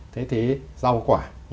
thế thì rau quả